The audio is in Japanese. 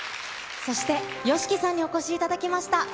そしてＹＯＳＨＩＫＩさんにお越しいただきました。